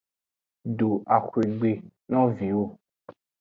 Do axwegbe no viwo.